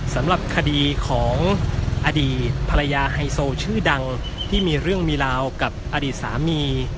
สำหรับคดีของอดีตภรรยาไฮโซชื่อดังที่มีเรื่องมีราวกับอดีตสามี